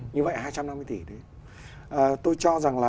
như vậy hai trăm năm mươi tỷ đấy